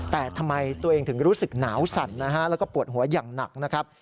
แต่ทำไมตัวเองถึงรู้สึกหนาวสั่นนะฮะแล้วก็ปวดหัวอย่างหนักนะครับ